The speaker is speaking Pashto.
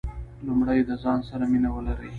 لومړی د ځان سره مینه ولرئ .